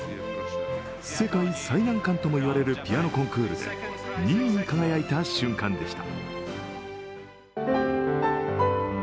世界最難関とも言われるピアノコンクールで２位に輝いた瞬間でした。